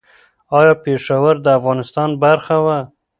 ایا پېښور د افغانستان برخه وه؟